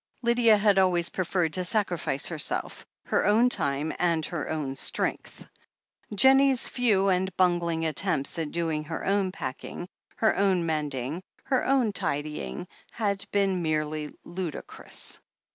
Lydia had always preferred to sacrifice herself, her own time and her own strength. Jennie's few and bungling attempts at doing her own packing, her own mending, her own tidying, had been merely ludicrous.